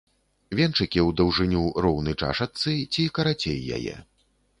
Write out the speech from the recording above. Венчыкі ў даўжыню роўны чашачцы ці карацей яе.